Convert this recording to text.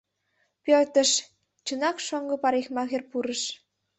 Пӧртыш» чынак шоҥго парикмахер пурыш.